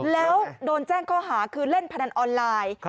แล้วโดนแจ้งข้อหาคือเล่นพนันออนไลน์